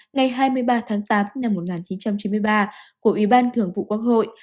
ngày hai mươi ba tháng tám năm một nghìn chín trăm chín mươi ba của ủy ban thường vụ quốc hội